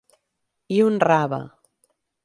I un rave!